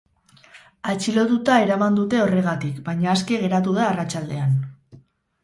Atxilotuta eraman dute horregatik, baina aske geratu da arratsaldean.